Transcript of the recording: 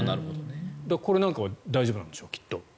これなんかは大丈夫なんでしょうきっと。